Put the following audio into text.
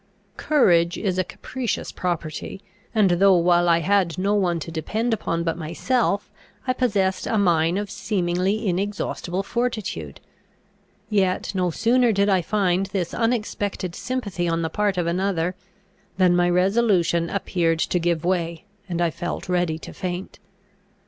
Courage is a capricious property; and, though while I had no one to depend upon but myself, I possessed a mine of seemingly inexhaustible fortitude, yet no sooner did I find this unexpected sympathy on the part of another, than my resolution appeared to give way, and I felt ready to faint.